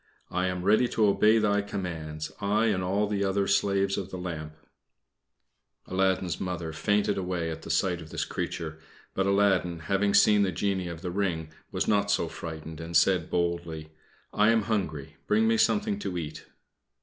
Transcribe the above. I am ready to obey thy commands, I and all the other slaves of the lamp." Aladdin's Mother fainted away at the sight of this creature; but Aladdin, having seen the genie of the ring, was not so frightened, and said boldly: "I am hungry, bring me something to eat."